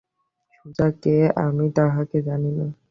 সুজা কে, আমি তাহাকে জানি না।